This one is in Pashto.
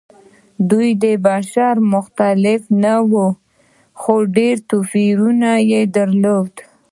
دوی بشپړ مختلف نه وو؛ خو ډېر توپیرونه یې درلودل.